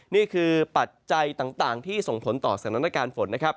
นี่คือปัจจัยต่างที่ส่งผลต่อสถานการณ์ฝน